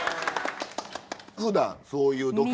ふだんそういうドキュ。